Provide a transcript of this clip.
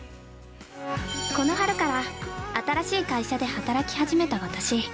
◆この春から新しい会社で働き始めた私。